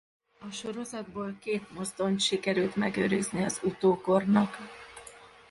A sorozatból két mozdonyt sikerült megőrizni az utókornak.